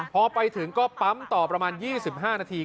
พอไปถึงก็ปั๊มต่อประมาณ๒๕นาที